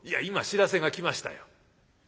今知らせが来ましたよ。